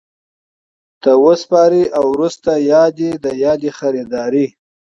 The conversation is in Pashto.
ته وسپاري او وروسته دي د یادي خریدارۍ